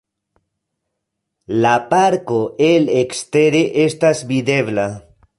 La parko el ekstere estas videbla.